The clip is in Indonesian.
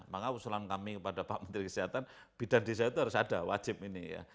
maka usulan kami kepada pak menteri kesehatan bidan desa itu harus ada wajib ini ya